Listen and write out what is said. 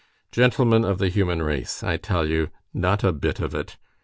Gentlemen of the human race, I tell you, not a bit of it!